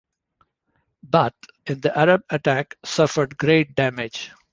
But in the Arab attack suffered great damage.